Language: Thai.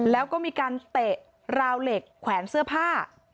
แล้วก็มีการเตะราวเหล็กแขวนเสื้อผ้า